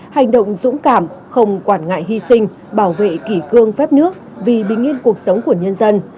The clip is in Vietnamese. hành động dũng cảm không quản ngại hy sinh bảo vệ kỷ cương phép nước vì bình yên cuộc sống của nhân dân